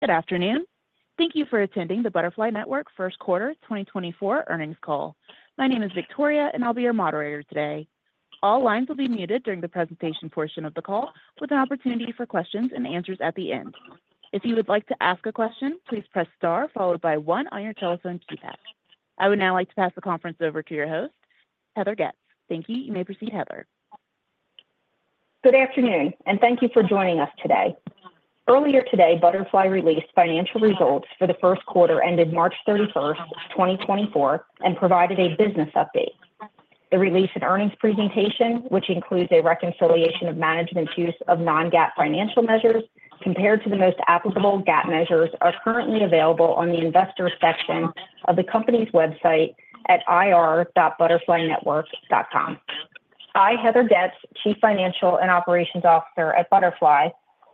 Good afternoon. Thank you for attending the Butterfly Network First Quarter 2024 Earnings Call. My name is Victoria, and I'll be your moderator today. All lines will be muted during the presentation portion of the call, with an opportunity for questions and answers at the end. If you would like to ask a question, please press Star, followed by one on your telephone keypad. I would now like to pass the conference over to your host, Heather Getz. Thank you. You may proceed, Heather. Good afternoon, and thank you for joining us today. Earlier today, Butterfly released financial results for the first quarter ended March 31, 2024, and provided a business update. The release and earnings presentation, which includes a reconciliation of management's use of non-GAAP financial measures compared to the most applicable GAAP measures, are currently available on the investor section of the company's website at ir.butterflynetwork.com. I, Heather Getz, Chief Financial and Operations Officer at Butterfly,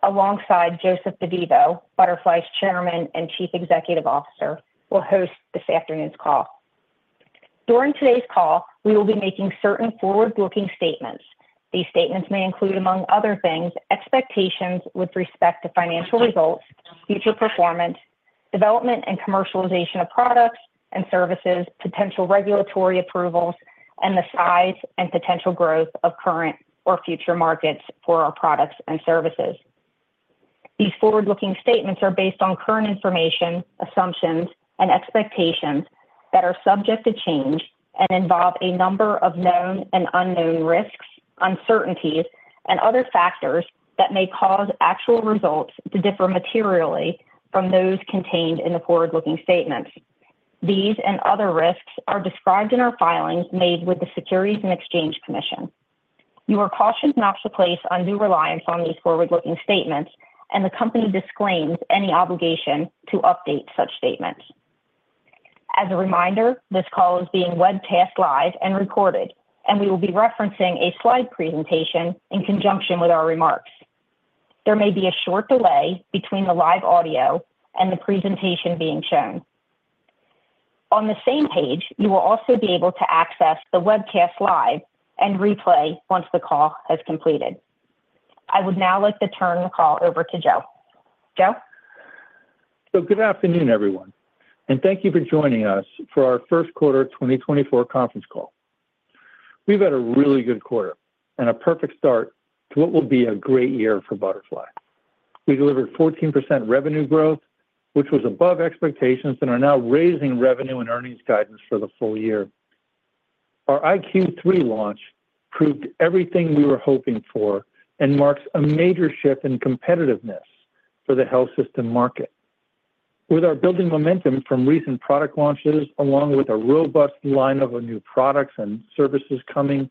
alongside Joseph DeVivo, Butterfly's Chairman and Chief Executive Officer, will host this afternoon's call. During today's call, we will be making certain forward-looking statements. These statements may include, among other things, expectations with respect to financial results, future performance, development and commercialization of products and services, potential regulatory approvals, and the size and potential growth of current or future markets for our products and services. These forward-looking statements are based on current information, assumptions, and expectations that are subject to change and involve a number of known and unknown risks, uncertainties, and other factors that may cause actual results to differ materially from those contained in the forward-looking statements. These and other risks are described in our filings made with the Securities and Exchange Commission. You are cautioned not to place undue reliance on these forward-looking statements, and the company disclaims any obligation to update such statements. As a reminder, this call is being webcast live and recorded, and we will be referencing a slide presentation in conjunction with our remarks. There may be a short delay between the live audio and the presentation being shown. On the same page, you will also be able to access the webcast live and replay once the call has completed. I would now like to turn the call over to Joe. Joe? So good afternoon, everyone, and thank you for joining us for our first quarter 2024 conference call. We've had a really good quarter and a perfect start to what will be a great year for Butterfly. We delivered 14% revenue growth, which was above expectations and are now raising revenue and earnings guidance for the full year. Our iQ3 launch proved everything we were hoping for and marks a major shift in competitiveness for the health system market. With our building momentum from recent product launches, along with a robust lineup of new products and services coming,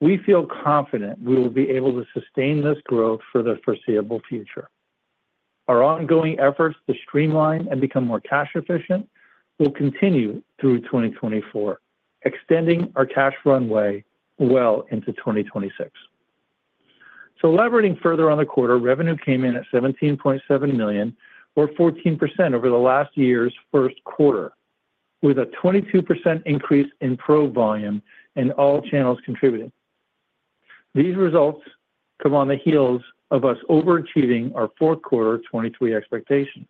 we feel confident we will be able to sustain this growth for the foreseeable future. Our ongoing efforts to streamline and become more cash efficient will continue through 2024, extending our cash runway well into 2026. So elaborating further on the quarter, revenue came in at $17.7 million, or 14% over last year's first quarter, with a 22% increase in probe volume and all channels contributing. These results come on the heels of us overachieving our fourth quarter 2023 expectations.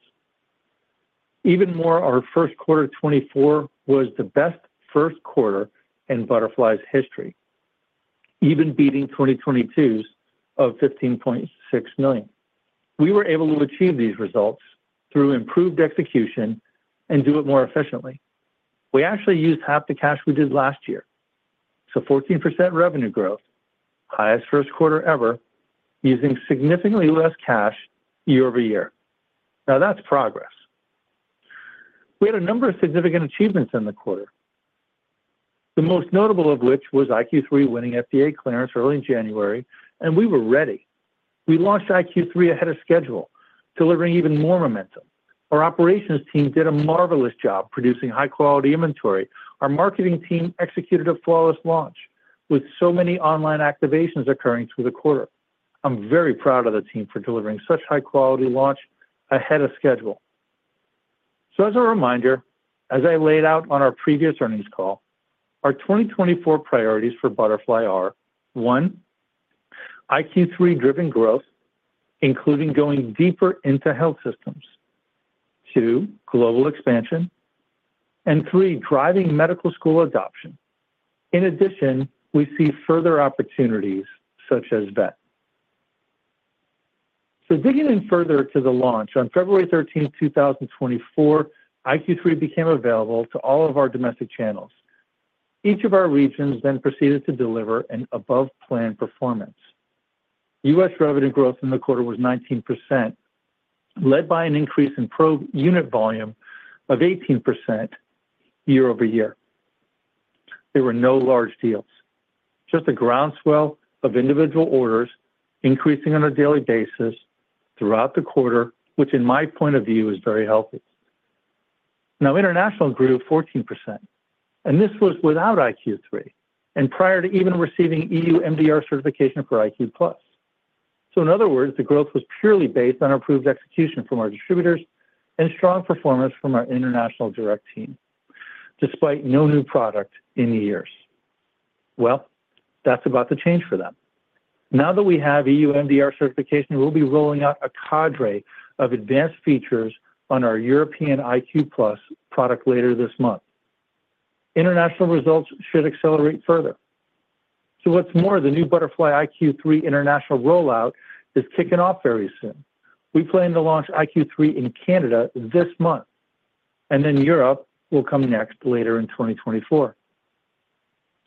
Even more, our first quarter 2024 was the best first quarter in Butterfly's history, even beating 2022's of $15.6 million. We were able to achieve these results through improved execution and do it more efficiently. We actually used half the cash we did last year, so 14% revenue growth, highest first quarter ever, using significantly less cash year-over-year. Now, that's progress. We had a number of significant achievements in the quarter, the most notable of which was iQ3 winning FDA clearance early in January, and we were ready. We launched iQ3 ahead of schedule, delivering even more momentum. Our operations team did a marvelous job producing high quality inventory. Our marketing team executed a flawless launch, with so many online activations occurring through the quarter. I'm very proud of the team for delivering such high quality launch ahead of schedule. As a reminder, as I laid out on our previous earnings call, our 2024 priorities for Butterfly are, one, iQ3 driven growth, including going deeper into health systems. Two, global expansion, and three, driving medical school adoption. In addition, we see further opportunities such as vet. Digging in further to the launch, on February 13, 2024, iQ3 became available to all of our domestic channels. Each of our regions then proceeded to deliver an above-plan performance. U.S. revenue growth in the quarter was 19%, led by an increase in probe unit volume of 18% year-over-year. There were no large deals, just a groundswell of individual orders increasing on a daily basis throughout the quarter, which in my point of view, is very healthy. Now, international grew 14%, and this was without iQ3 and prior to even receiving EU MDR certification for iQ+. So in other words, the growth was purely based on improved execution from our distributors and strong performance from our international direct team, despite no new product in the years. Well, that's about to change for them. Now that we have EU MDR certification, we'll be rolling out a cadre of advanced features on our European iQ+ product later this month. International results should accelerate further. So what's more, the new Butterfly iQ3 international rollout is kicking off very soon. We plan to launch iQ3 in Canada this month, and then Europe will come next later in 2024.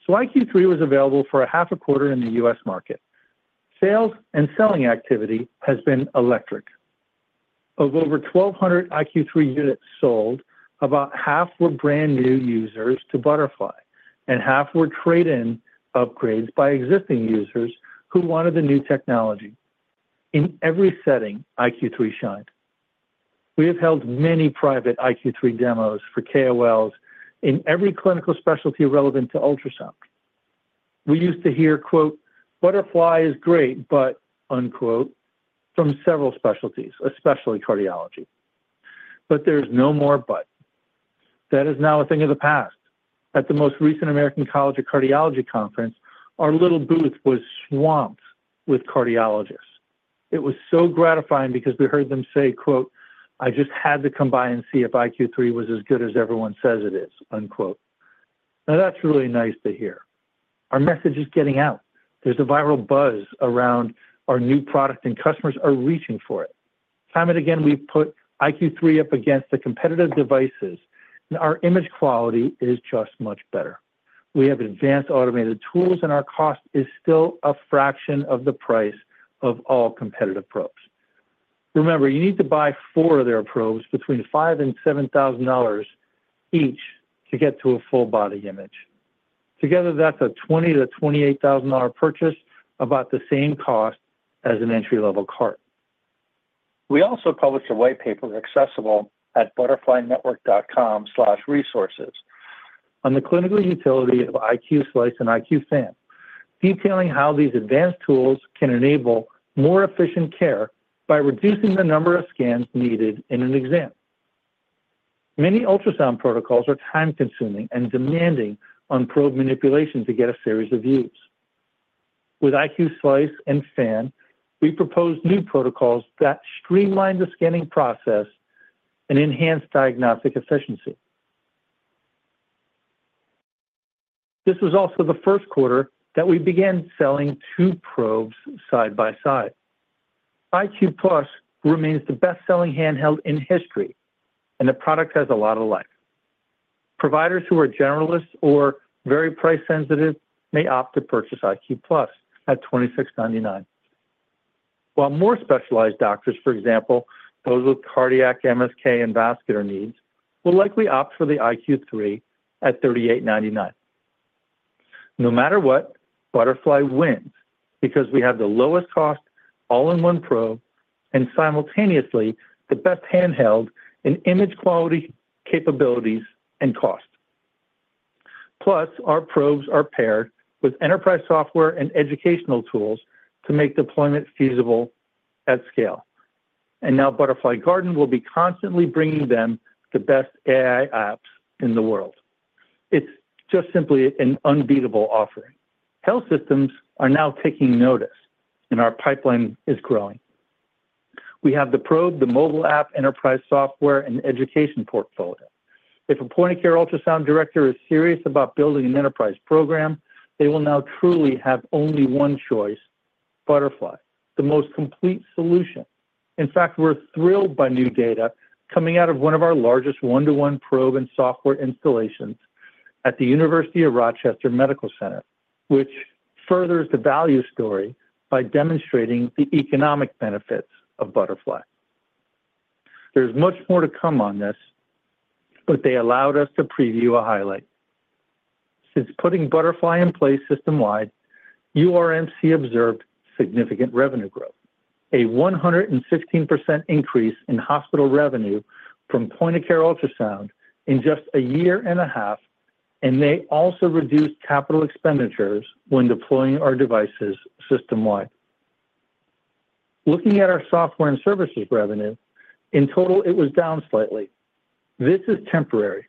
iQ3 was available for a half a quarter in the U.S. market. Sales and selling activity has been electric. Of over 1,200 iQ3 units sold, about half were brand new users to Butterfly, and half were trade-in upgrades by existing users who wanted the new technology. In every setting, iQ3 shined. We have held many private iQ3 demos for KOLs in every clinical specialty relevant to ultrasound. We used to hear, "butterfly is great," but from several specialties, especially cardiology. But there's no more but. That is now a thing of the past. At the most recent American College of Cardiology conference, our little booth was swamped with cardiologists. It was so gratifying because we heard them say, quote, "I just had to come by and see if iQ3 was as good as everyone says it is," unquote. Now, that's really nice to hear. Our message is getting out. There's a viral buzz around our new product, and customers are reaching for it. Time and again, we've put iQ3 up against the competitive devices, and our image quality is just much better. We have advanced automated tools, and our cost is still a fraction of the price of all competitive probes. Remember, you need to buy four of their probes between $5,000 and $7,000 each to get to a full body image. Together, that's a $20,000-$28,000 purchase, about the same cost as an entry-level cart. We also published a white paper accessible at butterflynetwork.com/resources on the clinical utility of iQ Slice and iQ Fan, detailing how these advanced tools can enable more efficient care by reducing the number of scans needed in an exam. Many ultrasound protocols are time-consuming and demanding on probe manipulation to get a series of views. With iQ Slice and Fan, we proposed new protocols that streamline the scanning process and enhance diagnostic efficiency. This was also the first quarter that we began selling two probes side by side. iQ+ remains the best-selling handheld in history, and the product has a lot of life. Providers who are generalists or very price-sensitive may opt to purchase iQ+ at $2,699, while more specialized doctors, for example, those with cardiac, MSK, and vascular needs, will likely opt for the iQ3 at $3,899. No matter what, Butterfly wins because we have the lowest cost all-in-one probe and simultaneously the best handheld in image quality, capabilities, and cost. Plus, our probes are paired with enterprise software and educational tools to make deployment feasible at scale. Now Butterfly Garden will be constantly bringing them the best AI apps in the world. It's just simply an unbeatable offering. Health systems are now taking notice, and our pipeline is growing. We have the probe, the mobile app, enterprise software, and education portfolio. If a point-of-care ultrasound director is serious about building an enterprise program, they will now truly have only one choice, Butterfly, the most complete solution. In fact, we're thrilled by new data coming out of one of our largest one-to-one probe and software installations at the University of Rochester Medical Center, which furthers the value story by demonstrating the economic benefits of Butterfly. There's much more to come on this, but they allowed us to preview a highlight. Since putting Butterfly in place system-wide, URMC observed significant revenue growth, a 116% increase in hospital revenue from point-of-care ultrasound in just a year and a half, and they also reduced capital expenditures when deploying our devices system-wide. Looking at our software and services revenue, in total, it was down slightly. This is temporary.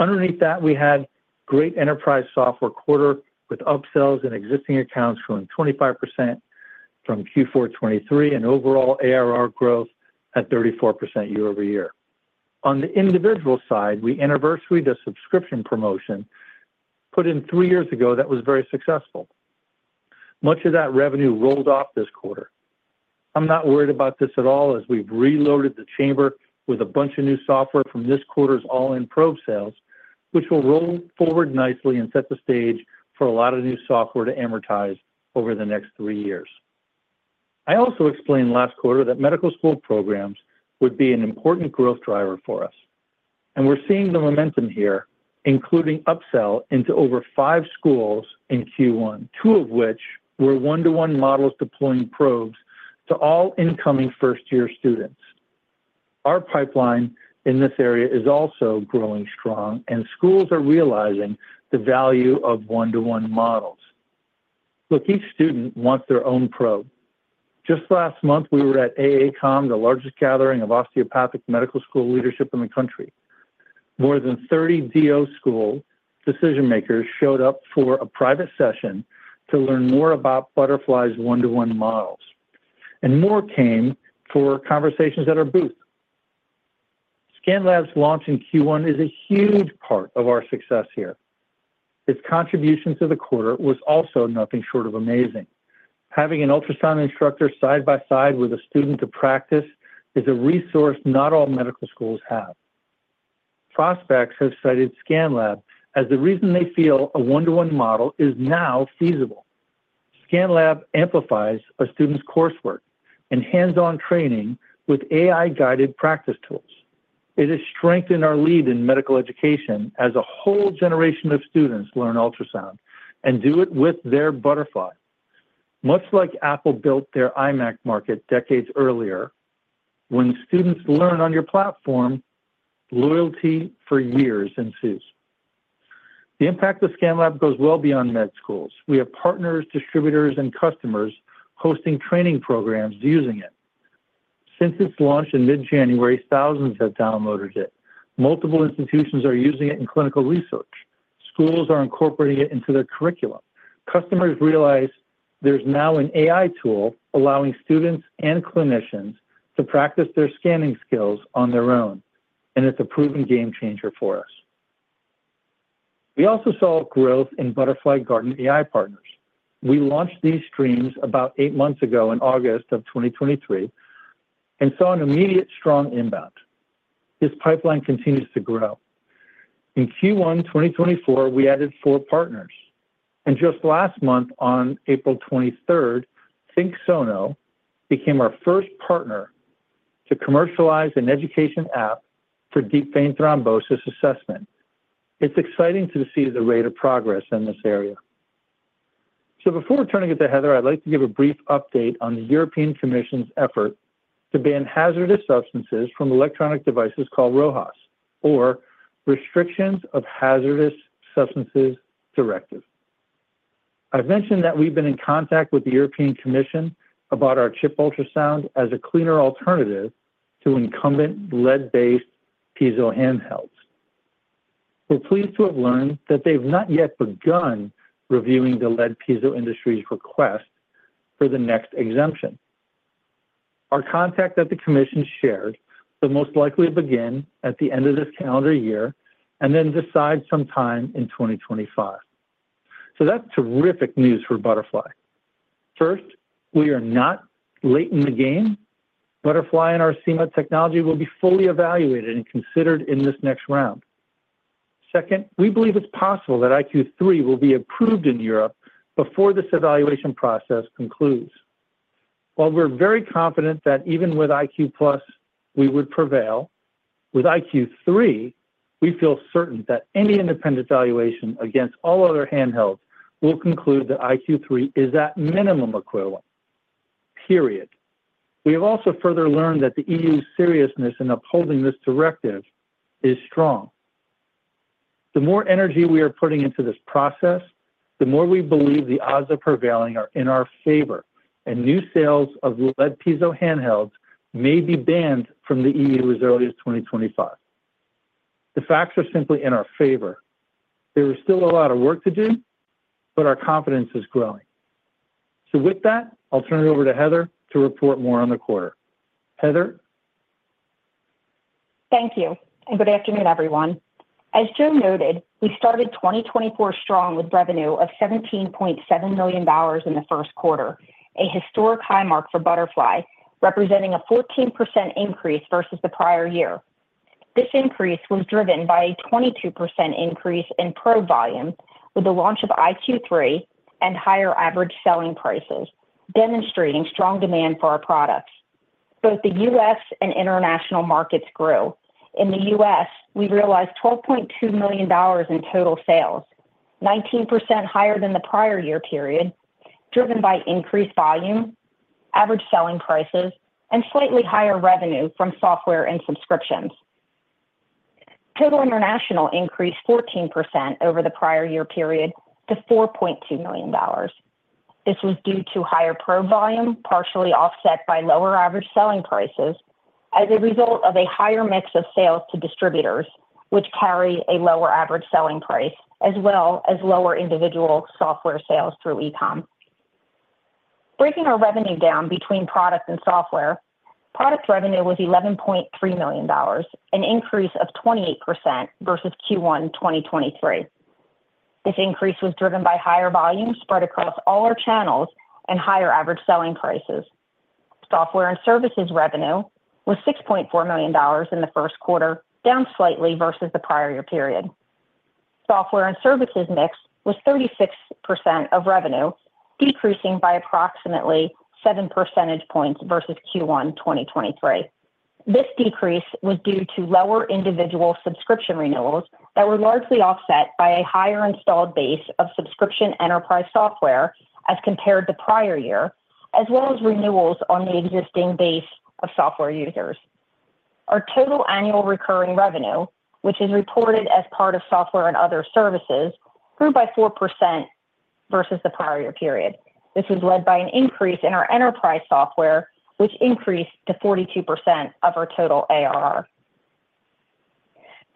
Underneath that, we had great enterprise software quarter with upsells and existing accounts growing 25% from Q4 2023 and overall ARR growth at 34% year-over-year. On the individual side, we anniversary the subscription promotion put in three years ago that was very successful. Much of that revenue rolled off this quarter. I'm not worried about this at all, as we've reloaded the chamber with a bunch of new software from this quarter's all-in probe sales, which will roll forward nicely and set the stage for a lot of new software to amortize over the next three years. I also explained last quarter that medical school programs would be an important growth driver for us, and we're seeing the momentum here, including upsell into over five schools in Q1, 2 of which were one-to-one models deploying probes to all incoming first-year students. Our pipeline in this area is also growing strong, and schools are realizing the value of one-to-one models. Look, each student wants their own probe. Just last month, we were at AACOM, the largest gathering of osteopathic medical school leadership in the country. More than 30 DO school decision-makers showed up for a private session to learn more about Butterfly's one-to-one models, and more came for conversations at our booth. ScanLab's launch in Q1 is a huge part of our success here. Its contribution to the quarter was also nothing short of amazing. Having an ultrasound instructor side by side with a student to practice is a resource not all medical schools have. Prospects have cited ScanLab as the reason they feel a one-to-one model is now feasible. ScanLab amplifies a student's coursework and hands-on training with AI-guided practice tools. It has strengthened our lead in medical education as a whole generation of students learn ultrasound and do it with their Butterfly. Much like Apple built their iMac market decades earlier, when students learn on your platform, loyalty for years ensues. The impact of ScanLab goes well beyond med schools. We have partners, distributors, and customers hosting training programs using it. Since its launch in mid-January, thousands have downloaded it. Multiple institutions are using it in clinical research. Schools are incorporating it into their curriculum. Customers realize there's now an AI tool allowing students and clinicians to practice their scanning skills on their own, and it's a proven game changer for us. We also saw growth in Butterfly Garden AI Partners. We launched these streams about eight months ago in August 2023, and saw an immediate strong inbound. This pipeline continues to grow. In Q1 2024, we added four partners, and just last month, on April 23, ThinkSono became our first partner to commercialize an education app for deep vein thrombosis assessment. It's exciting to see the rate of progress in this area. Before turning it to Heather, I'd like to give a brief update on the European Commission's effort to ban hazardous substances from electronic devices called RoHS, or Restrictions of Hazardous Substances Directive. I've mentioned that we've been in contact with the European Commission about our chip ultrasound as a cleaner alternative to incumbent lead-based piezo handhelds. We're pleased to have learned that they've not yet begun reviewing the lead piezo industry's request for the next exemption. Our contact at the commission shared will most likely begin at the end of this calendar year and then decide sometime in 2025. That's terrific news for Butterfly. First, we are not late in the game. Butterfly and our SIMA technology will be fully evaluated and considered in this next round. Second, we believe it's possible that iQ3 will be approved in Europe before this evaluation process concludes. While we're very confident that even with iQ+ we would prevail, with iQ3, we feel certain that any independent evaluation against all other handhelds will conclude that iQ3 is at minimum equivalent, period. We have also further learned that the EU's seriousness in upholding this directive is strong. The more energy we are putting into this process, the more we believe the odds of prevailing are in our favor, and new sales of lead piezo handhelds may be banned from the EU as early as 2025. The facts are simply in our favor. There is still a lot of work to do, but our confidence is growing. So with that, I'll turn it over to Heather to report more on the quarter. Heather? Thank you, and good afternoon, everyone. As Joe noted, we started 2024 strong with revenue of $17.7 million in the first quarter, a historic high mark for Butterfly, representing a 14% increase versus the prior year. This increase was driven by a 22% increase in probe volume with the launch of iQ3 and higher average selling prices, demonstrating strong demand for our products. Both the U.S. and international markets grew. In the U.S., we realized $12.2 million in total sales, 19% higher than the prior year period, driven by increased volume, average selling prices, and slightly higher revenue from software and subscriptions. Total international increased 14% over the prior year period to $4.2 million. This was due to higher probe volume, partially offset by lower average selling prices as a result of a higher mix of sales to distributors, which carry a lower average selling price, as well as lower individual software sales through e-com. Breaking our revenue down between product and software, product revenue was $11.3 million, an increase of 28% versus Q1 2023. This increase was driven by higher volume spread across all our channels and higher average selling prices. Software and services revenue was $6.4 million in the first quarter, down slightly versus the prior year period. Software and services mix was 36% of revenue, decreasing by approximately seven percentage points versus Q1 2023. This decrease was due to lower individual subscription renewals that were largely offset by a higher installed base of subscription enterprise software as compared to prior year, as well as renewals on the existing base of software users. Our total annual recurring revenue, which is reported as part of software and other services, grew by 4% versus the prior year period. This was led by an increase in our enterprise software, which increased to 42% of our total ARR.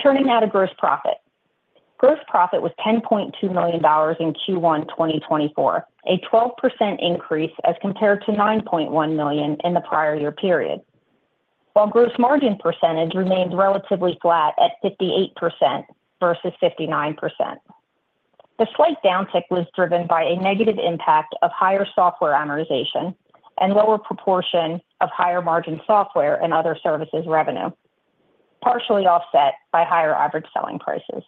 Turning now to gross profit. Gross profit was $10.2 million in Q1 2024, a 12% increase as compared to $9.1 million in the prior year period. While gross margin percentage remained relatively flat at 58% versus 59%. The slight downtick was driven by a negative impact of higher software amortization and lower proportion of higher margin software and other services revenue, partially offset by higher average selling prices.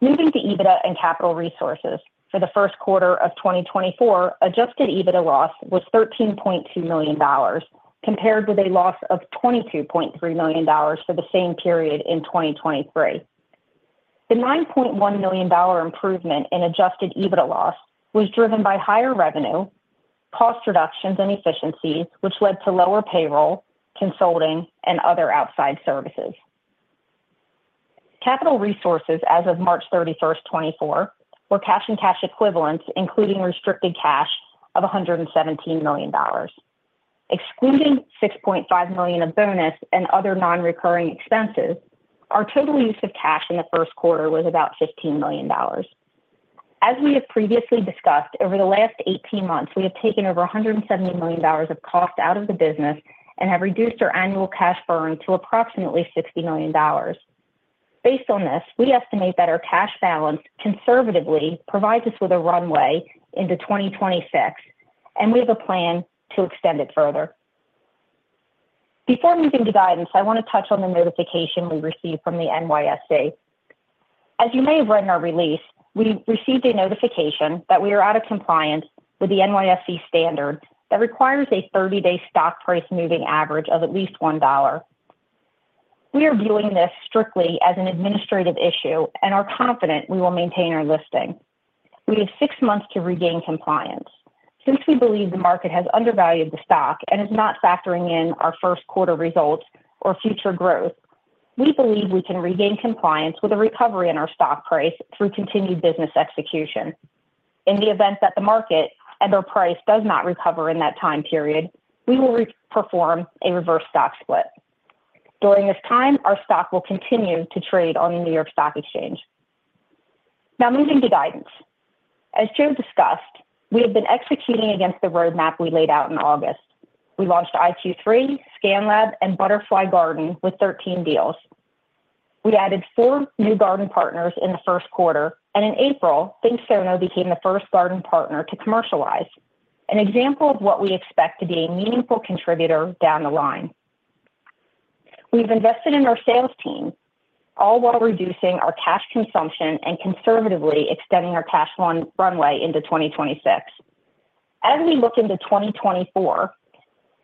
Moving to EBITDA and capital resources. For the first quarter of 2024, adjusted EBITDA loss was $13.2 million, compared with a loss of $22.3 million for the same period in 2023. The $9.1 million dollar improvement in adjusted EBITDA loss was driven by higher revenue, cost reductions and efficiencies, which led to lower payroll, consulting, and other outside services. Capital resources as of March 31, 2024, were cash and cash equivalents, including restricted cash of $117 million. Excluding $6.5 million of bonus and other non-recurring expenses, our total use of cash in the first quarter was about $15 million. As we have previously discussed, over the last 18 months, we have taken over $170 million of cost out of the business and have reduced our annual cash burn to approximately $60 million. Based on this, we estimate that our cash balance conservatively provides us with a runway into 2026, and we have a plan to extend it further. Before moving to guidance, I want to touch on the notification we received from the NYSE. As you may have read in our release, we received a notification that we are out of compliance with the NYSE standard that requires a 30-day stock price moving average of at least $1. We are viewing this strictly as an administrative issue and are confident we will maintain our listing. We have six months to regain compliance. Since we believe the market has undervalued the stock and is not factoring in our first quarter results or future growth, we believe we can regain compliance with a recovery in our stock price through continued business execution. In the event that the market and our price does not recover in that time period, we will re-perform a reverse stock split. During this time, our stock will continue to trade on the New York Stock Exchange. Now, moving to guidance. As Joe discussed, we have been executing against the roadmap we laid out in August. We launched iQ3, ScanLab, and Butterfly Garden with 13 deals. We added four new garden partners in the first quarter, and in April, ThinkSono became the first garden partner to commercialize, an example of what we expect to be a meaningful contributor down the line. We've invested in our sales team, all while reducing our cash consumption and conservatively extending our cash runway into 2026. As we look into 2024,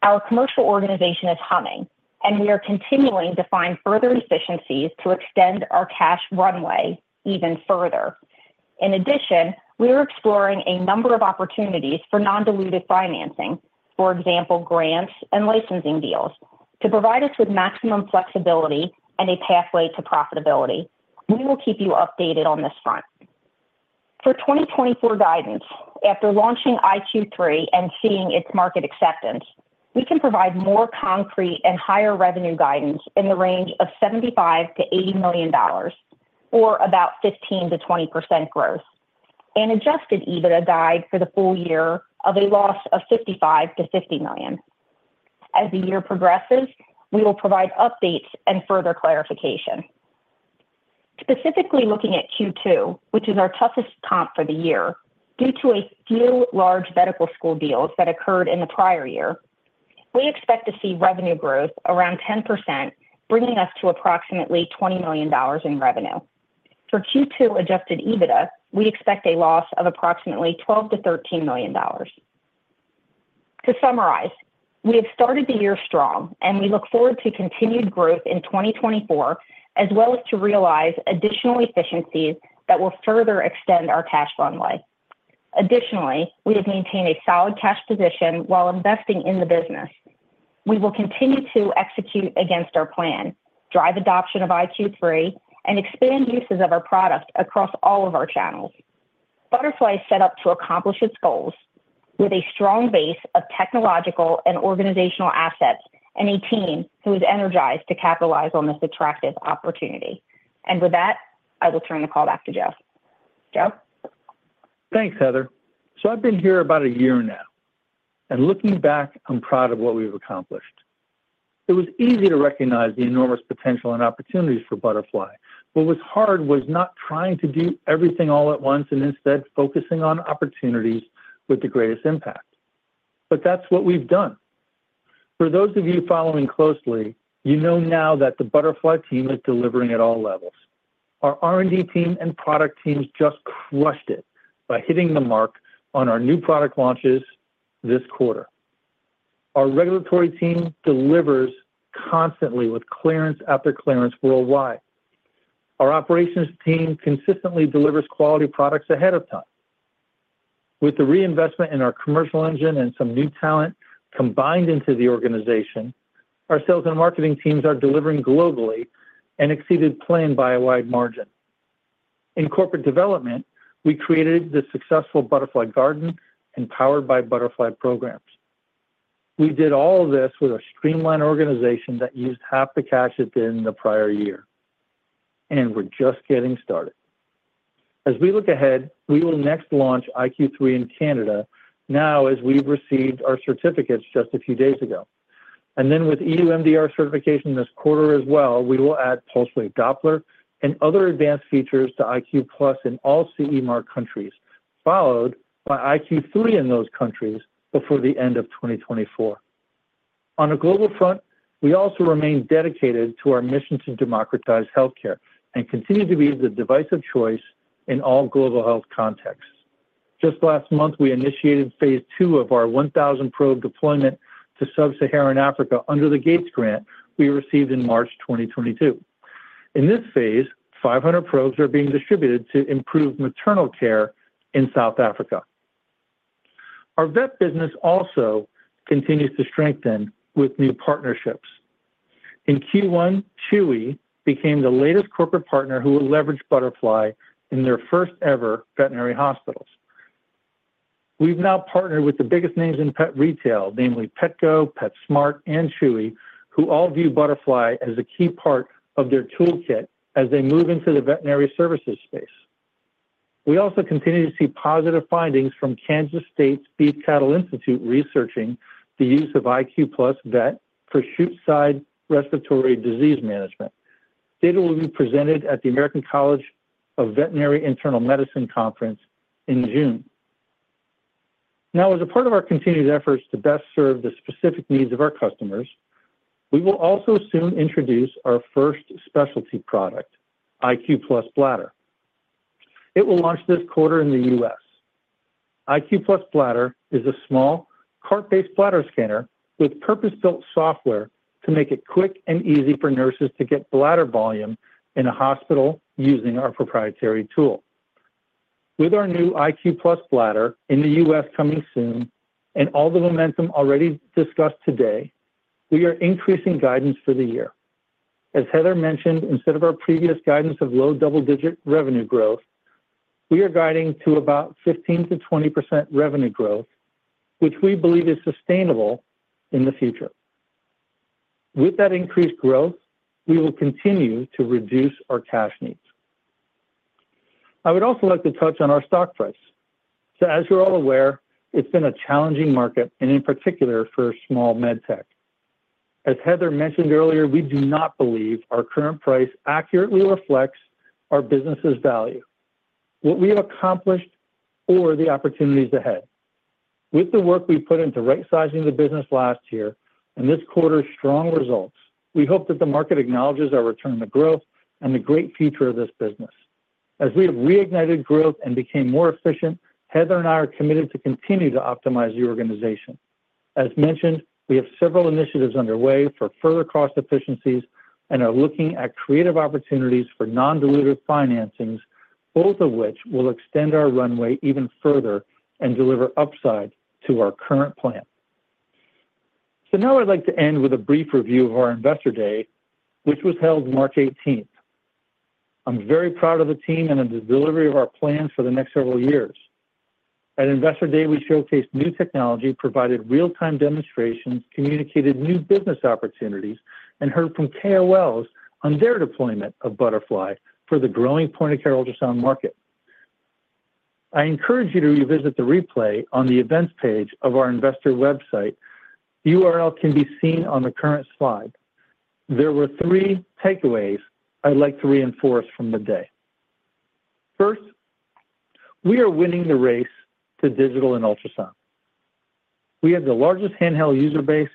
our commercial organization is humming, and we are continuing to find further efficiencies to extend our cash runway even further. In addition, we are exploring a number of opportunities for non-dilutive financing, for example, grants and licensing deals, to provide us with maximum flexibility and a pathway to profitability. We will keep you updated on this front. For 2024 guidance, after launching iQ3 and seeing its market acceptance, we can provide more concrete and higher revenue guidance in the range of $75 million-$80 million, or about 15%-20% growth, an Adjusted EBITDA guide for the full year of a loss of $55 million-$50 million. As the year progresses, we will provide updates and further clarification. Specifically looking at Q2, which is our toughest comp for the year, due to a few large medical school deals that occurred in the prior year, we expect to see revenue growth around 10%, bringing us to approximately $20 million in revenue. For Q2 Adjusted EBITDA, we expect a loss of approximately $12 million-$13 million. To summarize, we have started the year strong, and we look forward to continued growth in 2024, as well as to realize additional efficiencies that will further extend our cash runway. Additionally, we have maintained a solid cash position while investing in the business. We will continue to execute against our plan, drive adoption of iQ3, and expand uses of our product across all of our channels. Butterfly is set up to accomplish its goals with a strong base of technological and organizational assets, and a team who is energized to capitalize on this attractive opportunity. With that, I will turn the call back to Joe. Joe? Thanks, Heather. So I've been here about a year now, and looking back, I'm proud of what we've accomplished. It was easy to recognize the enormous potential and opportunities for Butterfly. What was hard was not trying to do everything all at once and instead focusing on opportunities with the greatest impact. But that's what we've done. For those of you following closely, you know now that the Butterfly team is delivering at all levels. Our R&D team and product teams just crushed it by hitting the mark on our new product launches this quarter. Our regulatory team delivers constantly with clearance after clearance worldwide. Our operations team consistently delivers quality products ahead of time. With the reinvestment in our commercial engine and some new talent combined into the organization, our sales and marketing teams are delivering globally and exceeded plan by a wide margin. In corporate development, we created the successful Butterfly Garden and Powered by Butterfly programs. We did all of this with a streamlined organization that used half the cash it did in the prior year, and we're just getting started. As we look ahead, we will next launch IQ3 in Canada now, as we've received our certificates just a few days ago. And then with EU MDR certification this quarter as well, we will add pulse wave Doppler and other advanced features to IQ+ in all CE mark countries, followed by IQ3 in those countries before the end of 2024. On a global front, we also remain dedicated to our mission to democratize healthcare and continue to be the device of choice in all global health contexts. Just last month, we initiated phase two of our 1,000 probe deployment to sub-Saharan Africa under the Gates grant we received in March 2022. In this phase, 500 probes are being distributed to improve maternal care in South Africa. Our vet business also continues to strengthen with new partnerships. In Q1, Chewy became the latest corporate partner who will leverage Butterfly in their first-ever veterinary hospitals. We've now partnered with the biggest names in pet retail, namely Petco, PetSmart, and Chewy, who all view Butterfly as a key part of their toolkit as they move into the veterinary services space. We also continue to see positive findings from Kansas State University's Beef Cattle Institute, researching the use of iQ+ Vet for chute side respiratory disease management. Data will be presented at the American College of Veterinary Internal Medicine conference in June. Now, as a part of our continued efforts to best serve the specific needs of our customers, we will also soon introduce our first specialty product, IQ+ Bladder. It will launch this quarter in the U.S. IQ+ Bladder is a small cart-based bladder scanner with purpose-built software to make it quick and easy for nurses to get bladder volume in a hospital using our proprietary tool. With our new IQ+ Bladder in the U.S. coming soon and all the momentum already discussed today, we are increasing guidance for the year. As Heather mentioned, instead of our previous guidance of low double-digit revenue growth, we are guiding to about 15%-20% revenue growth, which we believe is sustainable in the future. With that increased growth, we will continue to reduce our cash needs. I would also like to touch on our stock price. So as you're all aware, it's been a challenging market and in particular for a small med tech. As Heather mentioned earlier, we do not believe our current price accurately reflects our business's value, what we have accomplished or the opportunities ahead. With the work we put into right-sizing the business last year and this quarter's strong results, we hope that the market acknowledges our return to growth and the great future of this business. As we have reignited growth and became more efficient, Heather and I are committed to continue to optimize the organization. As mentioned, we have several initiatives underway for further cost efficiencies and are looking at creative opportunities for non-dilutive financings, both of which will extend our runway even further and deliver upside to our current plan. So now I'd like to end with a brief review of our Investor Day, which was held March 18th. I'm very proud of the team and of the delivery of our plans for the next several years. At Investor Day, we showcased new technology, provided real-time demonstrations, communicated new business opportunities, and heard from KOLs on their deployment of Butterfly for the growing point-of-care ultrasound market. I encourage you to revisit the replay on the events page of our investor website. The URL can be seen on the current slide. There were three takeaways I'd like to reinforce from the day. First, we are winning the race to digital and ultrasound. We have the largest handheld user base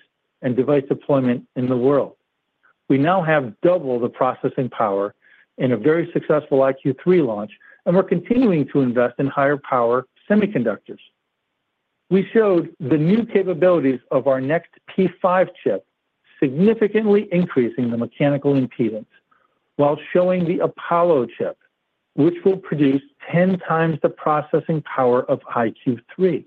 and device deployment in the world. We now have double the processing power in a very successful iQ3 launch, and we're continuing to invest in higher power semiconductors. We showed the new capabilities of our next P5 chip, significantly increasing the mechanical impedance while showing the Apollo chip, which will produce 10x the processing power of iQ3.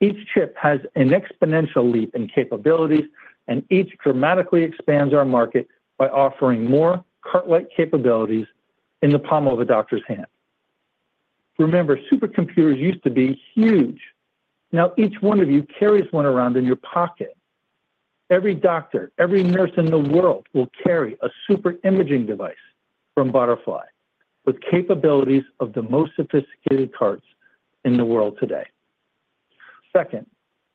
Each chip has an exponential leap in capabilities, and each dramatically expands our market by offering more cart-like capabilities in the palm of a doctor's hand. Remember, supercomputers used to be huge. Now, each one of you carries one around in your pocket. Every doctor, every nurse in the world will carry a super imaging device from Butterfly, with capabilities of the most sophisticated carts in the world today. Second,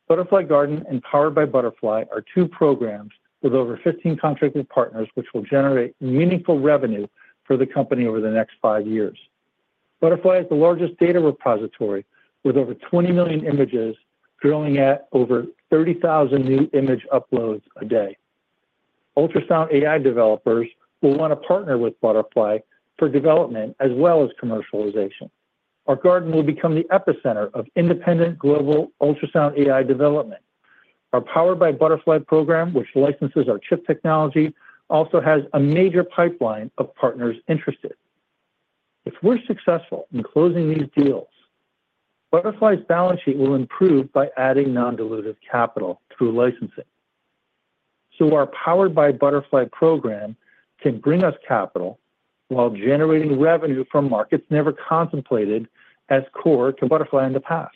Butterfly Garden and Powered by Butterfly are two programs with over 15 contracted partners, which will generate meaningful revenue for the company over the next five years. Butterfly has the largest data repository, with over 20 million images growing at over 30,000 new image uploads a day. Ultrasound AI developers will want to partner with Butterfly for development as well as commercialization. Our garden will become the epicenter of independent global ultrasound AI development. Our Powered by Butterfly program, which licenses our chip technology, also has a major pipeline of partners interested. If we're successful in closing these deals, Butterfly's balance sheet will improve by adding non-dilutive capital through licensing. So our Powered by Butterfly program can bring us capital while generating revenue from markets never contemplated as core to Butterfly in the past.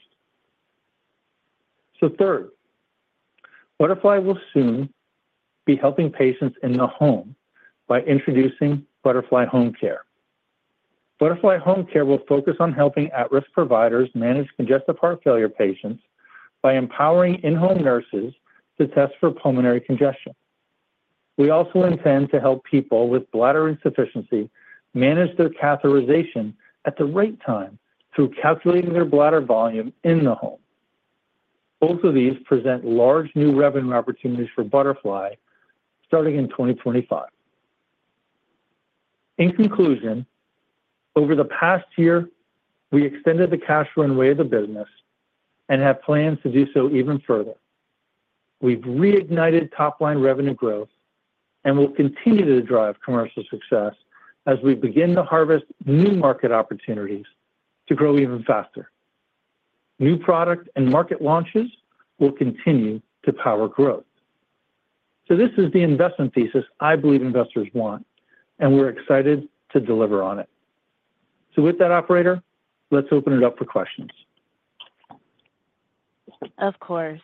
So third, Butterfly will soon be helping patients in the home by introducing Butterfly Home Care. Butterfly Home Care will focus on helping at-risk providers manage congestive heart failure patients by empowering in-home nurses to test for pulmonary congestion. We also intend to help people with bladder insufficiency manage their catheterization at the right time through calculating their bladder volume in the home. Both of these present large new revenue opportunities for Butterfly, starting in 2025. In conclusion, over the past year, we extended the cash runway of the business and have plans to do so even further. We've reignited top-line revenue growth, and we'll continue to drive commercial success as we begin to harvest new market opportunities to grow even faster. New product and market launches will continue to power growth. So this is the investment thesis I believe investors want, and we're excited to deliver on it. So with that, operator, let's open it up for questions. Of course.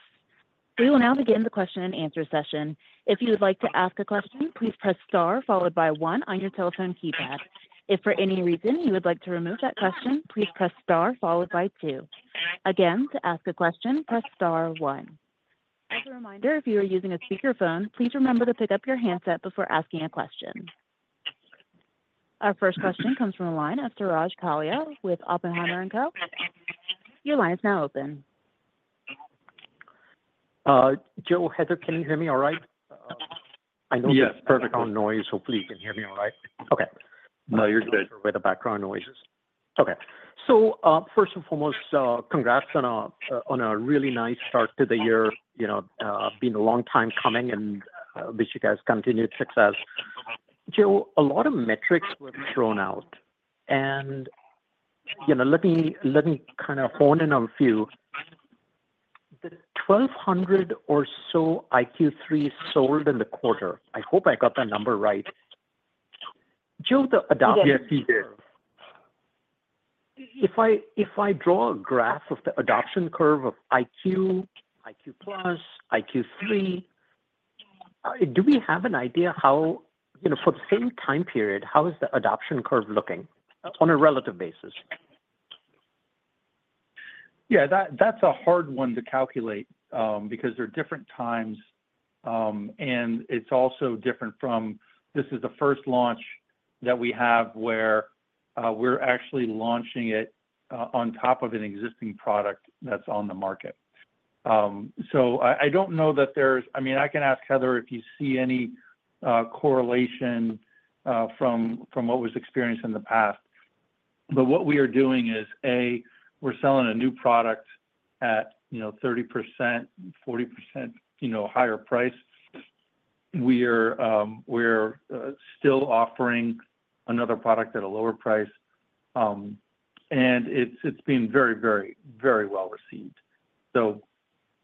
We will now begin the question and answer session. If you would like to ask a question, please press star followed by one on your telephone keypad. If for any reason you would like to remove that question, please press star followed by two. Again, to ask a question, press star one. As a reminder, if you are using a speakerphone, please remember to pick up your handset before asking a question. Our first question comes from the line of Suraj Kalia with Oppenheimer & Co. Your line is now open. Joe, Heather, can you hear me all right? Yes, perfect. I know there's background noise, so please, you can hear me all right? Okay. No, you're good. With the background noises. Okay. So, first and foremost, congrats on a, on a really nice start to the year. You know, been a long time coming, and wish you guys continued success. Joe, a lot of metrics were thrown out, and, you know, let me, let me kind of hone in on a few. The 1,200 or so iQ3 sold in the quarter, I hope I got that number right. Joe, the adoption- Yes, you did. If I draw a graph of the adoption curve of iQ, iQ+, iQ3, do we have an idea how, you know, for the same time period, how is the adoption curve looking on a relative basis? Yeah, that, that's a hard one to calculate, because they're different times, and it's also different from, this is the first launch that we have where we're actually launching it on top of an existing product that's on the market. So, I don't know that there's, I mean, I can ask Heather if you see any correlation from what was experienced in the past. But what we are doing is, A, we're selling a new product at, you know, 30%, 40%, you know, higher price. We're still offering another product at a lower price, and it's, it's been very, very, very well received. So,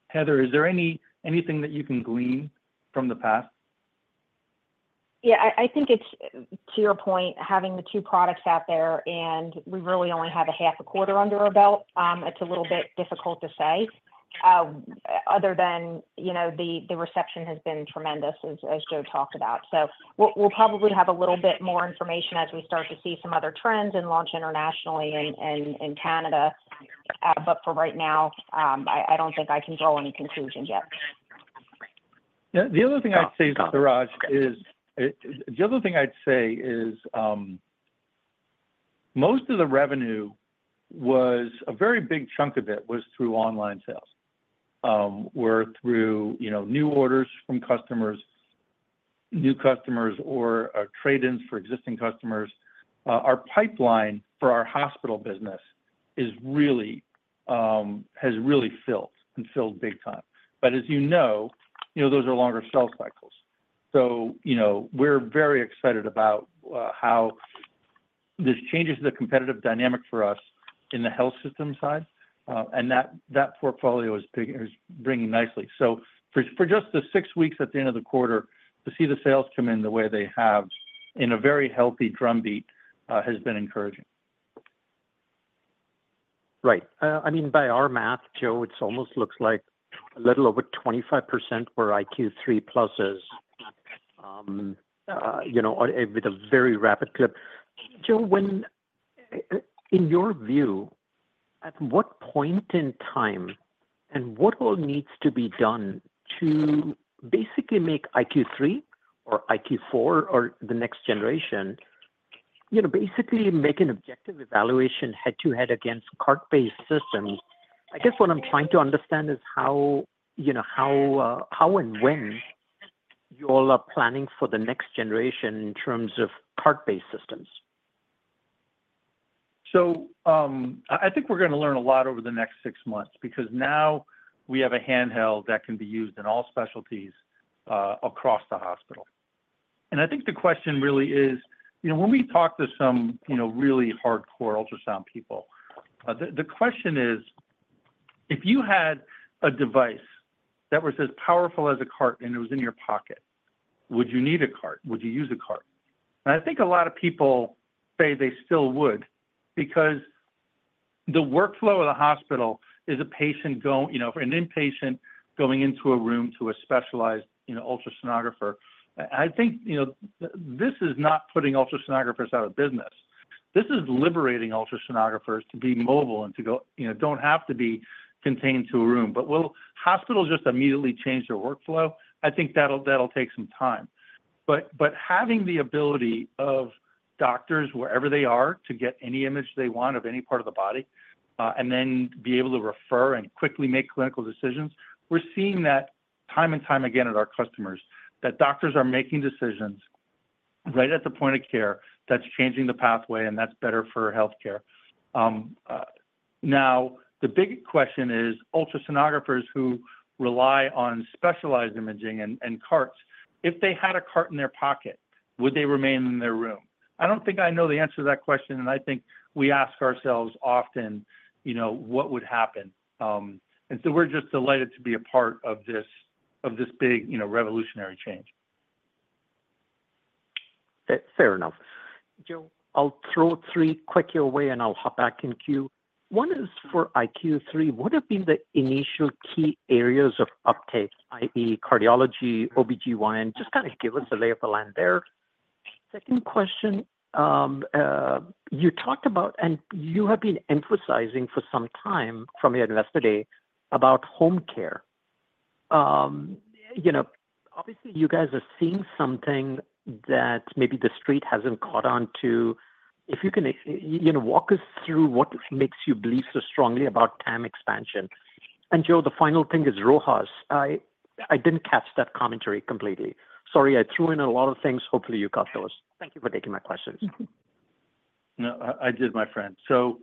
Heather, is there anything that you can glean from the past? Yeah, I think it's, to your point, having the two products out there, and we really only have a half a quarter under our belt, it's a little bit difficult to say, other than, you know, the reception has been tremendous as Joe talked about. So we'll probably have a little bit more information as we start to see some other trends and launch internationally in Canada. But for right now, I don't think I can draw any conclusions yet. The other thing I'd say, Suraj, is. The other thing I'd say is, most of the revenue was, a very big chunk of it, was through online sales, were through, you know, new orders from customers, new customers, or, trade-ins for existing customers. Our pipeline for our hospital business is really, has really filled, and filled big time. But as you know, you know, those are longer sales cycles. So, you know, we're very excited about, how this changes the competitive dynamic for us in the health system side, and that, that portfolio is big, is bringing nicely. So for just the six weeks at the end of the quarter, to see the sales come in the way they have, in a very healthy drumbeat, has been encouraging. Right. I mean, by our math, Joe, it's almost looks like a little over 25% were iQ3 pluses, you know, with a very rapid clip. Joe, when, in your view, at what point in time and what all needs to be done to basically make iQ3 or iQ4 or the next generation, you know, basically make an objective evaluation head-to-head against cart-based systems? I guess what I'm trying to understand is how, you know, how, how and when you all are planning for the next generation in terms of cart-based systems. So, I think we're gonna learn a lot over the next six months because now we have a handheld that can be used in all specialties across the hospital. And I think the question really is, you know, when we talk to some, you know, really hardcore ultrasound people, the question is, if you had a device that was as powerful as a cart and it was in your pocket, would you need a cart? Would you use a cart? And I think a lot of people say they still would, because the workflow of the hospital is a patient go, you know, for an inpatient going into a room to a specialized, you know, ultrasonographer. I think, you know, this is not putting ultrasonographers out of business. This is liberating ultrasonographers to be mobile and to go, you know, don't have to be contained to a room. But will hospitals just immediately change their workflow? I think that'll take some time. But having the ability of doctors, wherever they are, to get any image they want of any part of the body, and then be able to refer and quickly make clinical decisions, we're seeing that time and time again at our customers, that doctors are making decisions right at the point of care that's changing the pathway, and that's better for healthcare. Now, the big question is, ultrasonographers who rely on specialized imaging and carts, if they had a cart in their pocket, would they remain in their room? I don't think I know the answer to that question, and I think we ask ourselves often, you know, what would happen? And so we're just delighted to be a part of this, of this big, you know, revolutionary change. Fair enough. Joe, I'll throw three quick your way, and I'll hop back in queue. One is for iQ3. What have been the initial key areas of uptake, i.e., cardiology, OBGYN? Just kinda give us the lay of the land there. Second question, you talked about, and you have been emphasizing for some time from your Investor Day, about home care. You know, obviously, you guys are seeing something that maybe the street hasn't caught on to. If you can, you know, walk us through what makes you believe so strongly about TAM expansion. And Joe, the final thing is RoHS. I didn't catch that commentary completely. Sorry, I threw in a lot of things. Hopefully, you got those. Thank you for taking my questions. No, I did, my friend. So,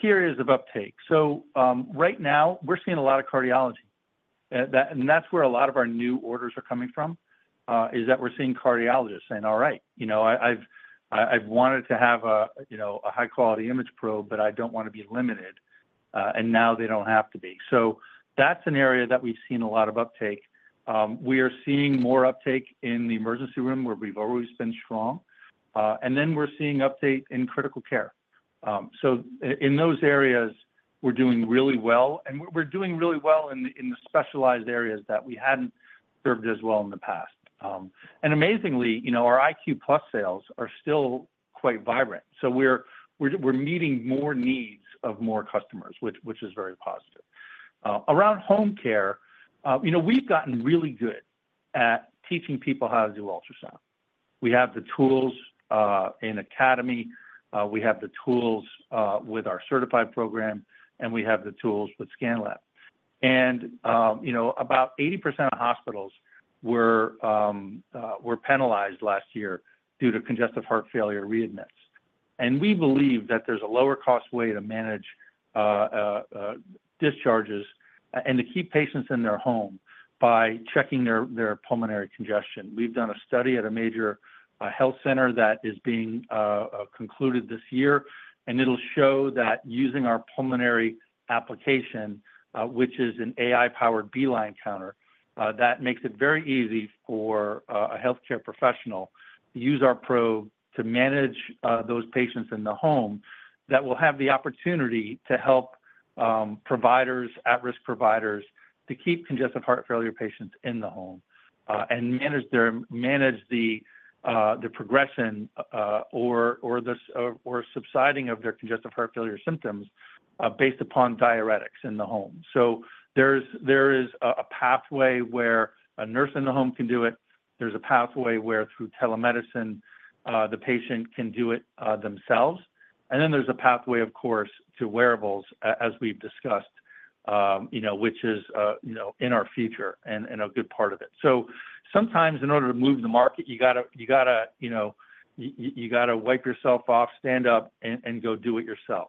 key areas of uptake. So, right now, we're seeing a lot of cardiology. That, and that's where a lot of our new orders are coming from, is that we're seeing cardiologists saying, "All right, you know, I've wanted to have a, you know, a high-quality image probe, but I don't wanna be limited." And now they don't have to be. So that's an area that we've seen a lot of uptake. We are seeing more uptake in the emergency room, where we've always been strong. And then we're seeing uptake in critical care. So in those areas, we're doing really well, and we're doing really well in the specialized areas that we hadn't served as well in the past. and amazingly, you know, our iQ+ sales are still quite vibrant. So we're meeting more needs of more customers, which is very positive. Around home care, you know, we've gotten really good at teaching people how to do ultrasound. We have the tools in academy, we have the tools with our certified program, and we have the tools with ScanLab. And, you know, about 80% of hospitals were penalized last year due to congestive heart failure readmits. And we believe that there's a lower-cost way to manage discharges, and to keep patients in their home by checking their pulmonary congestion. We've done a study at a major health center that is being concluded this year, and it'll show that using our pulmonary application, which is an AI-powered B-line counter, that makes it very easy for a healthcare professional to use our probe to manage those patients in the home, that will have the opportunity to help providers, at-risk providers, to keep congestive heart failure patients in the home, and manage the progression or the subsiding of their congestive heart failure symptoms based upon diuretics in the home. So there is a pathway where a nurse in the home can do it. There's a pathway where, through telemedicine, the patient can do it themselves. And then there's a pathway, of course, to wearables, as we've discussed, you know, which is, you know, in our future and a good part of it. So sometimes, in order to move the market, you gotta, you gotta, you know, you gotta wipe yourself off, stand up, and go do it yourself.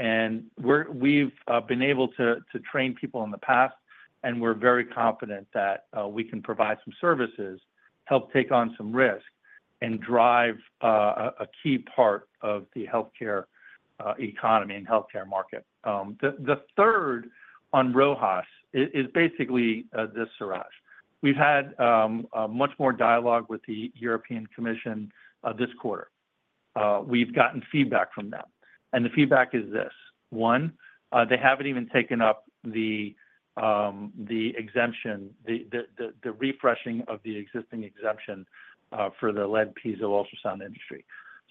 And we're, we've been able to train people in the past, and we're very confident that we can provide some services, help take on some risk, and drive a key part of the healthcare economy and healthcare market. The third on RoHS is basically this, Suraj: We've had a much more dialogue with the European Commission this quarter. We've gotten feedback from them, and the feedback is this: One, they haven't even taken up the exemption, the refreshing of the existing exemption, for the lead piezo ultrasound industry.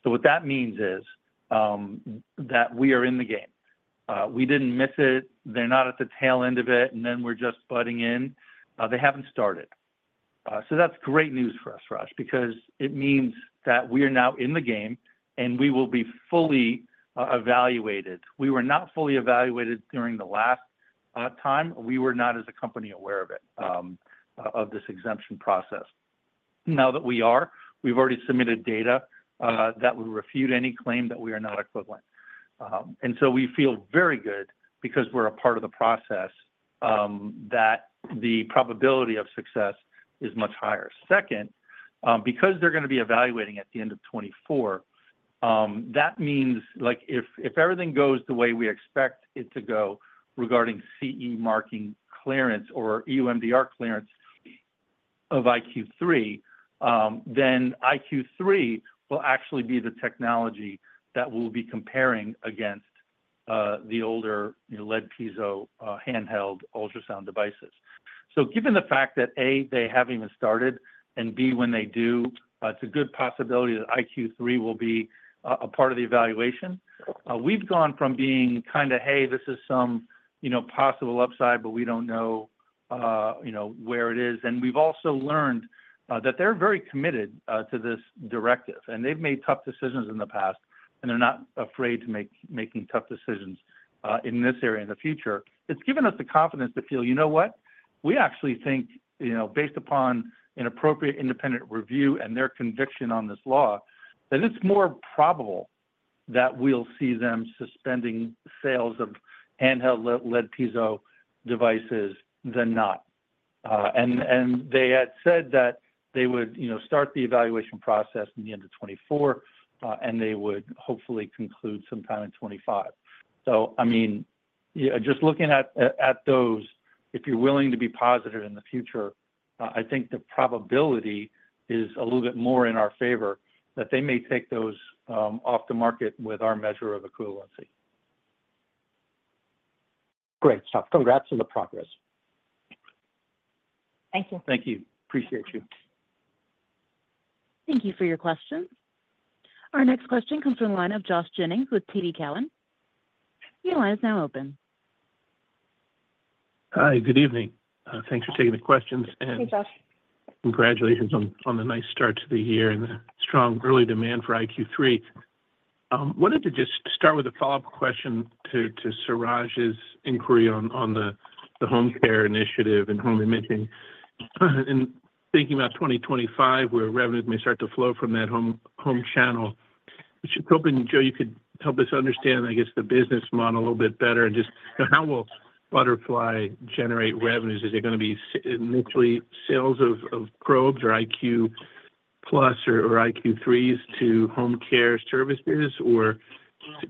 So what that means is that we are in the game. We didn't miss it. They're not at the tail end of it, and then we're just butting in. They haven't started. So that's great news for us, Suraj, because it means that we are now in the game, and we will be fully evaluated. We were not fully evaluated during the last time. We were not, as a company, aware of it, of this exemption process. Now that we are, we've already submitted data that would refute any claim that we are not equivalent. And so we feel very good because we're a part of the process, that the probability of success is much higher. Second, because they're gonna be evaluating at the end of 2024, that means, like, if everything goes the way we expect it to go regarding CE Mark clearance or EU MDR clearance of iQ3, then iQ3 will actually be the technology that we'll be comparing against, the older, you know, lead piezo, handheld ultrasound devices. So given the fact that, A, they haven't even started, and B, when they do, it's a good possibility that iQ3 will be a part of the evaluation. We've gone from being kind of, "hey, this is some, you know, possible upside, but we don't know, you know, where it is," and we've also learned that they're very committed to this directive, and they've made tough decisions in the past, and they're not afraid to making tough decisions in this area in the future. It's given us the confidence to feel, you know what? We actually think, you know, based upon an appropriate independent review and their conviction on this law, that it's more probable that we'll see them suspending sales of handheld lead piezo devices than not. And they had said that they would, you know, start the evaluation process in the end of 2024, and they would hopefully conclude sometime in 2025. So I mean, yeah, just looking at those, if you're willing to be positive in the future, I think the probability is a little bit more in our favor that they may take those off the market with our measure of equivalency. Great stuff. Congrats on the progress. Thank you. Thank you. Appreciate you. Thank you for your question. Our next question comes from the line of Josh Jennings with TD Cowen. Your line is now open. Hi, good evening. Thanks for taking the questions. Hey, Josh. Congratulations on the nice start to the year and the strong early demand for iQ3. Wanted to just start with a follow-up question to Suraj's inquiry on the home care initiative and home imaging. Thinking about 2025, where revenues may start to flow from that home channel, just hoping, Joe, you could help us understand, I guess, the business model a little bit better, and just how will Butterfly generate revenues? Is it gonna be initially sales of probes or iQ+ or iQ3s to home care service business, or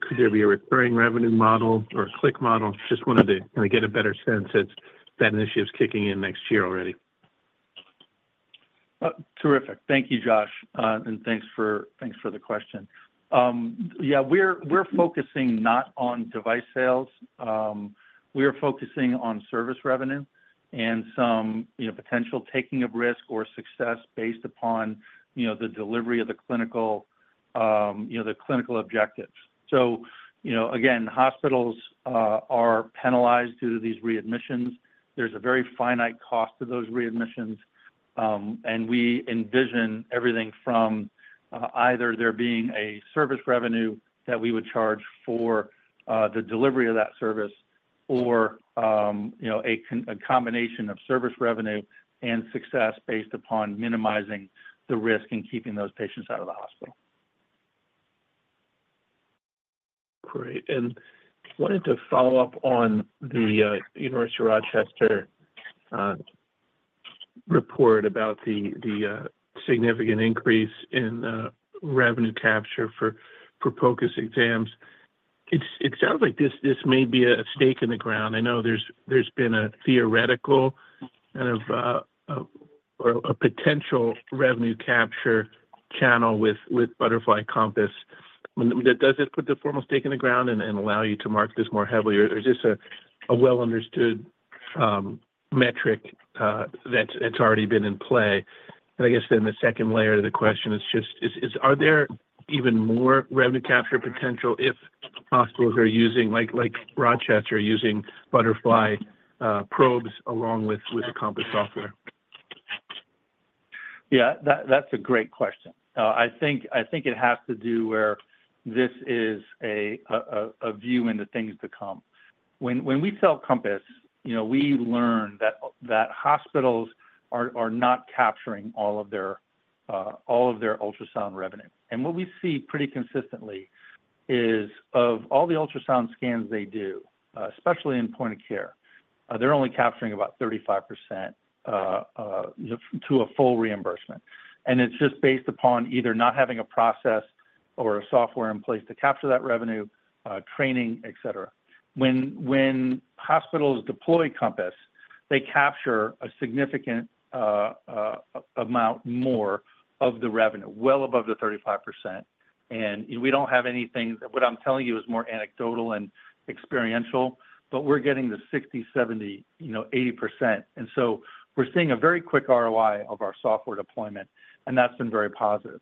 could there be a recurring revenue model or a click model? Just wanted to kind of get a better sense as that initiative's kicking in next year already. Terrific. Thank you, Josh. And thanks for the question. Yeah, we're focusing not on device sales. We are focusing on service revenue and some, you know, potential taking of risk or success based upon, you know, the delivery of the clinical, you know, the clinical objectives. So, you know, again, hospitals are penalized due to these readmissions. There's a very finite cost to those readmissions, and we envision everything from either there being a service revenue that we would charge for the delivery of that service or, you know, a combination of service revenue and success based upon minimizing the risk and keeping those patients out of the hospital. Great. And wanted to follow up on the University of Rochester report about the significant increase in revenue capture for focus exams. It sounds like this may be a stake in the ground. I know there's been a theoretical kind of or a potential revenue capture channel with Butterfly Compass. Does this put the formal stake in the ground and allow you to market this more heavily, or is this a well-understood metric that's already been in play? And I guess then the second layer to the question is just, are there even more revenue capture potential if hospitals are using, like, Rochester, using Butterfly probes along with the Compass software? Yeah, that's a great question. I think it has to do with this being a view into things to come. When we sell Compass, you know, we learn that hospitals are not capturing all of their ultrasound revenue. And what we see pretty consistently is, of all the ultrasound scans they do, especially in point of care, they're only capturing about 35% to a full reimbursement. And it's just based upon either not having a process or a software in place to capture that revenue, training, et cetera. When hospitals deploy Compass, they capture a significant amount more of the revenue, well above the 35%, and we don't have anything. What I'm telling you is more anecdotal and experiential, but we're getting to 60%, 70%, you know, 80%. And so we're seeing a very quick ROI of our software deployment, and that's been very positive.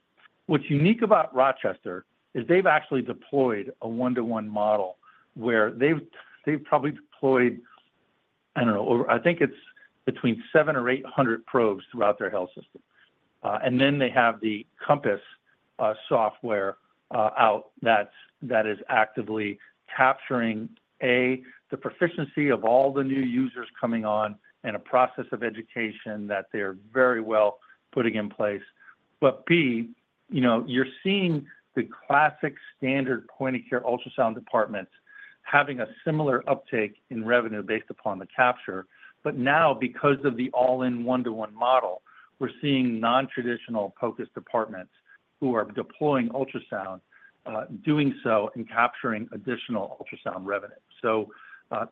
What's unique about Rochester is they've actually deployed a one-to-one model, where they've probably deployed, I don't know, over. I think it's between 700 or 800 probes throughout their health system. And then they have the Compass software out that is actively capturing, A, the proficiency of all the new users coming on and a process of education that they're very well putting in place. But B, you know, you're seeing the classic standard point-of-care ultrasound departments having a similar uptake in revenue based upon the capture. But now, because of the all-in-one-to-one model, we're seeing non-traditional focused departments who are deploying ultrasound, doing so and capturing additional ultrasound revenue. So,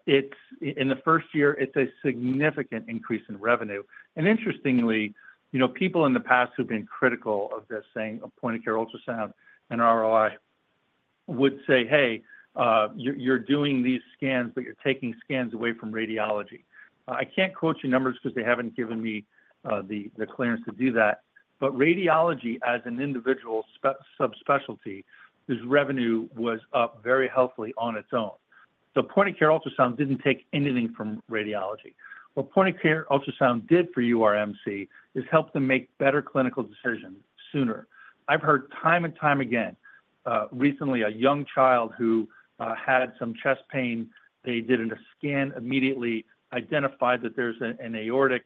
it's in the first year, it's a significant increase in revenue. And interestingly, you know, people in the past who've been critical of this, saying a point-of-care ultrasound and ROI, would say, "hey, you're doing these scans, but you're taking scans away from radiology." I can't quote you numbers 'cause they haven't given me the clearance to do that, but radiology as an individual subspecialty, whose revenue was up very healthily on its own. So point-of-care ultrasound didn't take anything from radiology. What point-of-care ultrasound did for URMC, is helped them make better clinical decisions sooner. I've heard time and time again, recently, a young child who had some chest pain, they did a scan, immediately identified that there's an aortic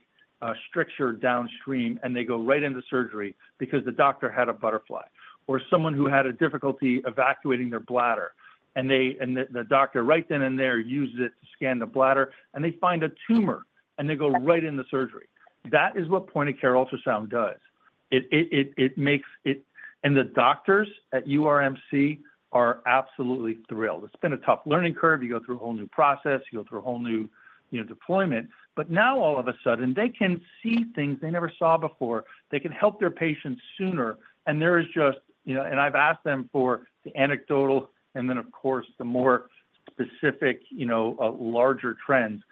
stricture downstream, and they go right into surgery because the doctor had a Butterfly. Or someone who had difficulty evacuating their bladder, and the doctor right then and there used it to scan the bladder, and they find a tumor, and they go right into surgery. That is what point-of-care ultrasound does. It makes it, and the doctors at URMC are absolutely thrilled. It's been a tough learning curve. You go through a whole new process, you go through a whole new, you know, deployment, but now all of a sudden, they can see things they never saw before. They can help their patients sooner, and there is just, you know... I've asked them for the anecdotal, and then, of course, the more specific, you know, larger trends.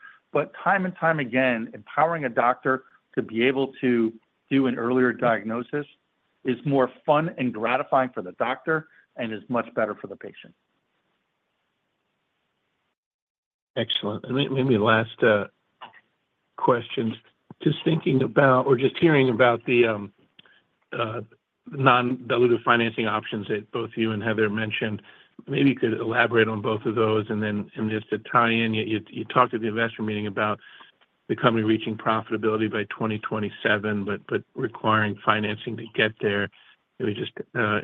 Time and time again, empowering a doctor to be able to do an earlier diagnosis is more fun and gratifying for the doctor and is much better for the patient. Excellent. And maybe last questions. Just thinking about or just hearing about the non-dilutive financing options that both you and Heather mentioned, maybe you could elaborate on both of those. And then, just to tie in, you talked at the investor meeting about the company reaching profitability by 2027, but requiring financing to get there. Maybe just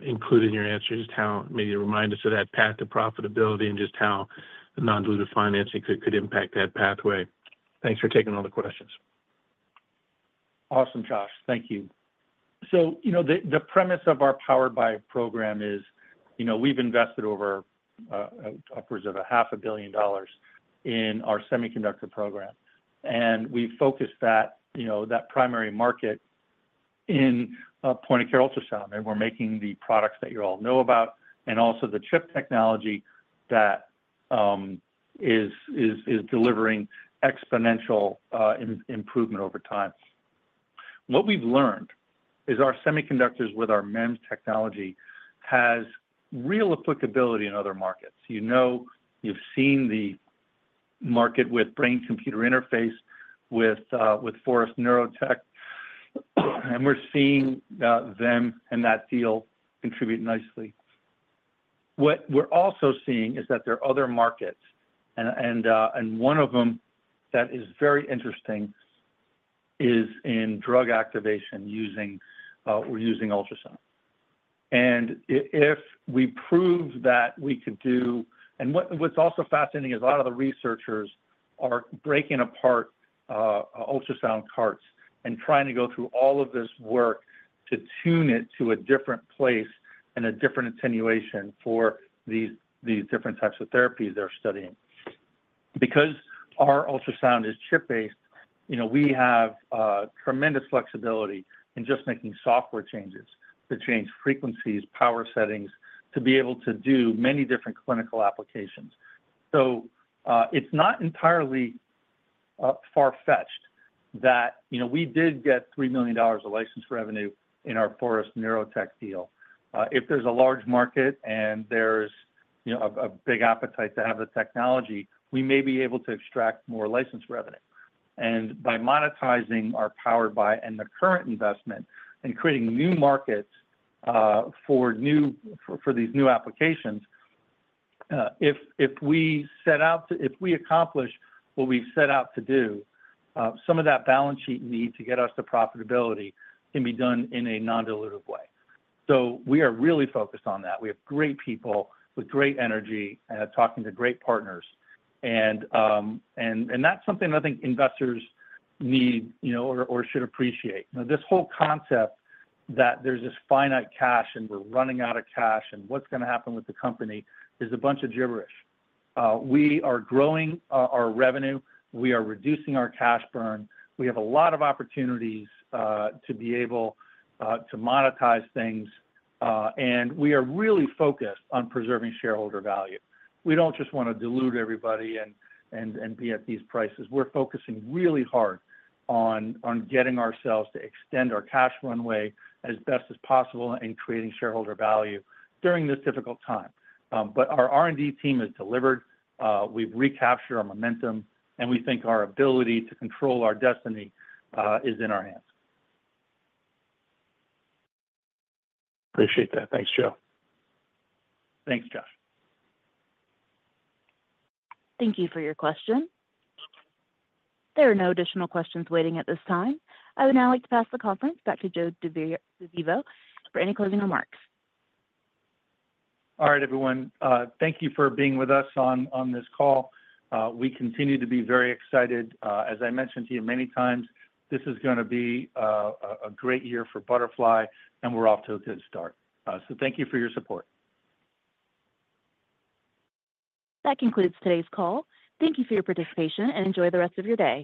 include in your answer, just how, maybe remind us of that path to profitability and just how the non-dilutive financing could impact that pathway. Thanks for taking all the questions. Awesome, Josh. Thank you. So, you know, the premise of our Powered by program is, you know, we've invested over upwards of $500 million in our semiconductor program, and we've focused that, you know, that primary market in point-of-care ultrasound, and we're making the products that you all know about, and also the chip technology that is delivering exponential improvement over time. What we've learned is our semiconductors with our MEMS technology has real applicability in other markets. You know, you've seen the market with brain-computer interface with Forest Neurotech, and we're seeing them and that deal contribute nicely. What we're also seeing is that there are other markets, and one of them that is very interesting is in drug activation using, we're using ultrasound. And what, what's also fascinating is a lot of the researchers are breaking apart ultrasound carts and trying to go through all of this work to tune it to a different place and a different attenuation for these, these different types of therapies they're studying. Because our ultrasound is chip-based, you know, we have tremendous flexibility in just making software changes, to change frequencies, power settings, to be able to do many different clinical applications. So, it's not entirely far-fetched that, you know, we did get $3 million of license revenue in our Forest Neurotech deal. If there's a large market and there's, you know, a big appetite to have the technology, we may be able to extract more license revenue. By monetizing our Powered by and the current investment, and creating new markets for these new applications, if we accomplish what we've set out to do, some of that balance sheet need to get us to profitability can be done in a non-dilutive way. So we are really focused on that. We have great people with great energy and are talking to great partners. And that's something I think investors need, you know, or should appreciate. Now, this whole concept that there's this finite cash, and we're running out of cash, and what's gonna happen with the company, is a bunch of gibberish. We are growing our revenue. We are reducing our cash burn. We have a lot of opportunities to be able to monetize things, and we are really focused on preserving shareholder value. We don't just wanna dilute everybody and be at these prices. We're focusing really hard on getting ourselves to extend our cash runway as best as possible and creating shareholder value during this difficult time. But our R&D team has delivered, we've recaptured our momentum, and we think our ability to control our destiny is in our hands. Appreciate that. Thanks, Joe. Thanks, Josh. Thank you for your question. There are no additional questions waiting at this time. I would now like to pass the conference back to Joe DeVivo for any closing remarks. All right, everyone, thank you for being with us on this call. We continue to be very excited. As I mentioned to you many times, this is gonna be a great year for Butterfly, and we're off to a good start. So thank you for your support. That concludes today's call. Thank you for your participation, and enjoy the rest of your day.